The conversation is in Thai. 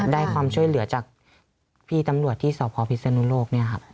ความช่วยเหลือจากพี่ตำรวจที่สพพิศนุโลกเนี่ยครับ